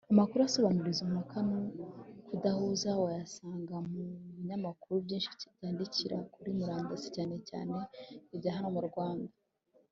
amakuru asobanura izo mpaka no kudahuza wayasanga mu binyamakuru byinshi byandikira kuri murandasi cyane cyane ibyahano mu Rwanda.